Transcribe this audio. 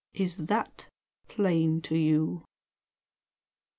Is that plain to you?"